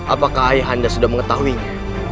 apakah ayah anda sudah mengetahuinya